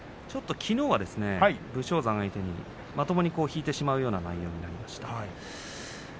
きのうは武将山を相手にまともに引いてしまうような相撲でした。